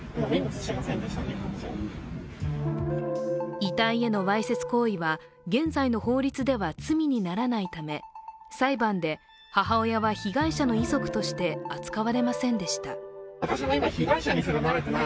遺体へのわいせつ行為は現在の法律では罪にならないため、裁判で母親は被害者の遺族として扱われませんでした。